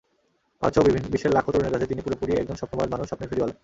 ভারতসহ বিশ্বের লাখো তরুণের কাছে তিনি পুরোপুরি একজন স্বপ্নবাজ মানুষ, স্বপ্নের ফেরিওয়ালা।